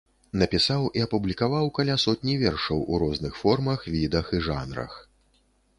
Напісаў і апублікаваў каля сотні вершаў у розных формах, відах і жанрах.